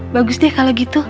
bagus deh kalau gitu